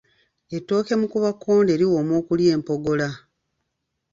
Ettooke Mukubyakkonde liwooma okulya empogola.